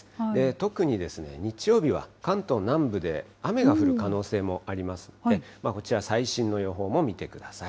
特に日曜日は関東南部で、雨が降る可能性もありますんで、こちら、最新の予報も見てください。